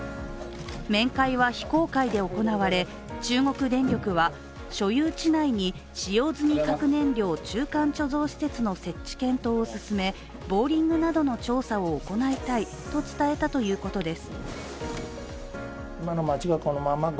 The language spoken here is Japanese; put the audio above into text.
面会は非公開で行われ、中国電力は所有地内に使用済み核燃料中間貯蔵施設の設置検討を進めボーリングなどの調査を行いたいと伝えたということです。